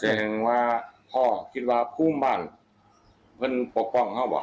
เจ้าแห่งว่าพ่อคิดว่าภูมิบ้านเพื่อนปกป้องเขาบอก